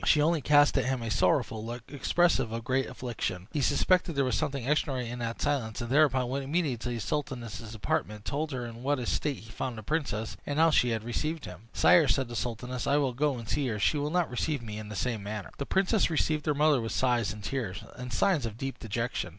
She only cast at him a sorrowful look, expressive of great affliction. He suspected there was something extraordinary in this silence, and thereupon went immediately to the sultaness's apartment, told her in what a state he found the princess, and how she had received him. "Sire," said the sultaness, "I will go and see her; she will not receive me in the same manner." The princess received her mother with sighs and tears, and signs of deep dejection.